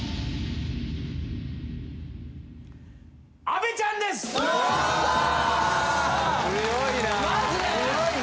阿部ちゃんですマジで？